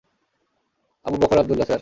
Abu Bakar Abdullah, sir!